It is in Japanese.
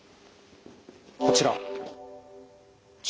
こちら。